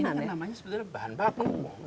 ini namanya sebenarnya bahan baku